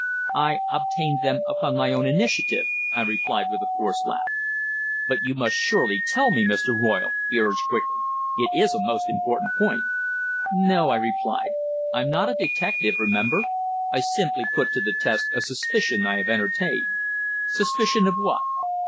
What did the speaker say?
"I obtained them upon my own initiative," I replied, with a forced laugh. "But you must surely tell me, Mr. Royle," he urged quickly. "It's a most important point." "No," I replied. "I'm not a detective, remember. I simply put to the test a suspicion I have entertained." "Suspicion of what?"